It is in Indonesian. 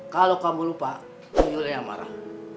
kalau kamu lupa ini udah yang marah